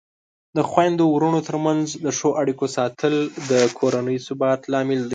د خویندو ورونو ترمنځ د ښو اړیکو ساتل د کورنۍ د ثبات لامل دی.